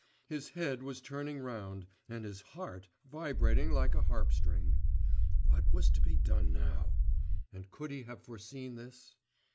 His head was turning round and his heart vibrating like a harp string. What was to be done now? And could he have foreseen this?